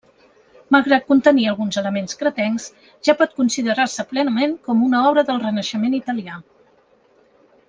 Malgrat contenir alguns elements cretencs, ja pot considerar-se plenament com una obra del Renaixement italià.